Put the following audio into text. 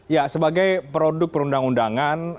ya sebagai produk perundang undangan